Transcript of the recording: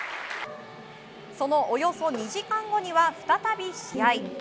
そのおよそ２時間後には再び試合。